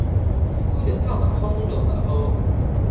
拄著透大風、落大雨